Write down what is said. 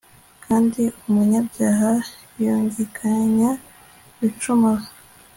kandi umunyabyaha yungikanya ibicumuro